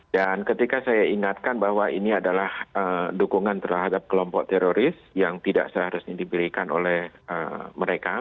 ketika saya ingatkan bahwa ini adalah dukungan terhadap kelompok teroris yang tidak seharusnya diberikan oleh mereka